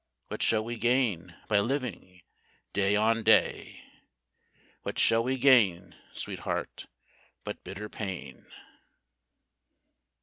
What shall we gain by living day on day? What shall we gain, Sweetheart, but bitter pain?